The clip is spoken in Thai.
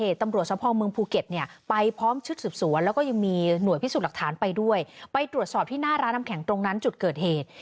ตรวจสอบที่หน้าร้านอำแข็งตรงนั้นจุดเกิดเหตุ